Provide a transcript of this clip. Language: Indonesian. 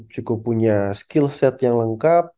cukup punya skill set yang lengkap